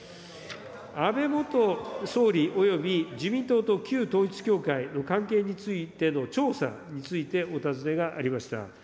安倍元総理および自民党と旧統一教会の関係についての調査について、お尋ねがありました。